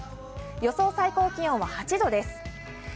最高気温は８度です。